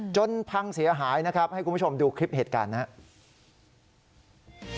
พังเสียหายนะครับให้คุณผู้ชมดูคลิปเหตุการณ์นะครับ